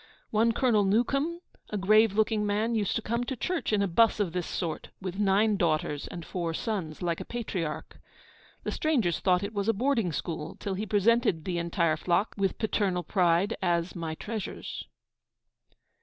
One Colonel Newcome, a grave looking man, used to come to church in a bus of this sort, with nine daughters and four sons, like a patriarch. The strangers thought it was a boarding school, till he presented the entire flock, with paternal pride, as 'my treasures.'